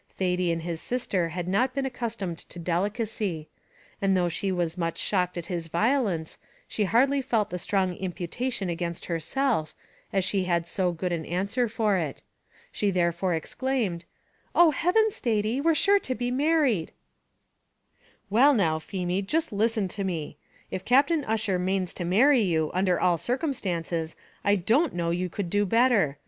Thady and his sister had not been accustomed to delicacy; and though she was much shocked at his violence, she hardly felt the strong imputation against herself, as she had so good an answer for it. She therefore exclaimed, "Oh heavens, Thady, sure we're to be married." "Well, now, Feemy, jist listen to me. If Captain Ussher manes to marry you, under all circumstances, I don't know you could do better.